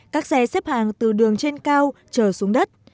các xe xếp hàng từ đường trên cao chờ xuống đất